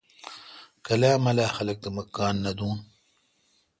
کلا ملا خلق تہ مہ کان نہ دوں۔